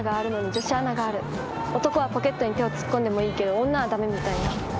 男はポケットに手を突っ込んでもいいけど女は駄目みたいな。